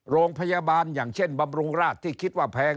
โรงพยาบาลอย่างเช่นบำรุงราชที่คิดว่าแพง